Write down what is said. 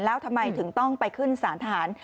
แล้วทำไมถึงต้องไปขึ้นสารทหาร